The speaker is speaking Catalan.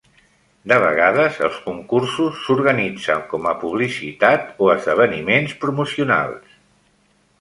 De vegades, els concursos s'organitzen com a publicitat o esdeveniments promocionals.